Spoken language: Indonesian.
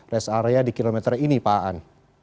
rest area di kilometer ini pak an